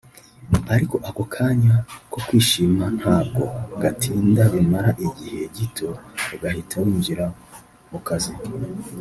ariko ako kanya ko kwishima ntabwo gatinda bimara igihe gito ugahita winjira mu kazi